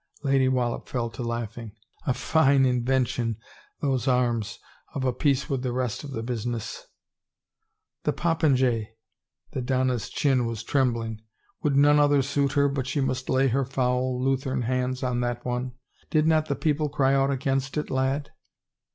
Lady Wallop fell to laughing. "A fine invention, those arms — of a piece with the rest of the business." " The popinjay !" The donna's chin was trembling. " Would none other suit her but she must lay her foul, Lutheran hands on that one? ... Did not the people cry out against it, lad?"